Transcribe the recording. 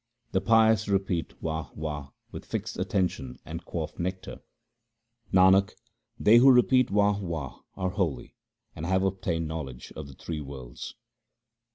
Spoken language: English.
The pious repeat Wah ! Wah ! with fixed attention and quaff nectar. Nanak, they who repeat Wah ! Wah ! are holy, and have obtained knowledge of the three worlds.